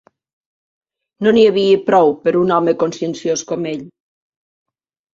No n'hi havia prou per un home conscienciós com ell